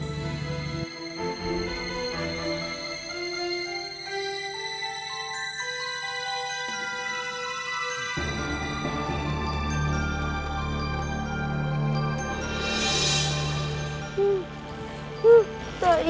masih tidak bisa berhenti